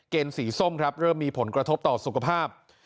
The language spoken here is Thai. เกณฑ์สีส้มเริ่มมีผลกระทบต่อสุขภาพ